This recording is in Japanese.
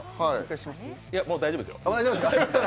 もう大丈夫ですよ。